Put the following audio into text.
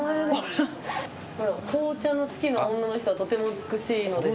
紅茶の好きな女の人はとても美しいのです。